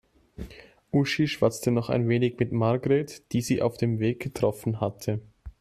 Uschi schwatzte noch ein wenig mit Margret, die sie auf dem Weg getroffen hatte.